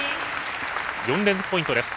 ４連続ポイントです。